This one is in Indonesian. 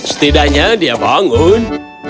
setidaknya dia bangun